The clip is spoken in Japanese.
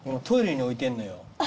トイレに置いてんのよ。